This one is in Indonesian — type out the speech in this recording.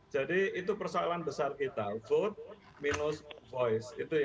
jadi itu persoalan besar kita vote minus voice